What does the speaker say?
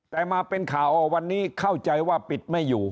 แต่มาเป็นข่าววันนี้เข้าใจว่าปิดไม่อยู่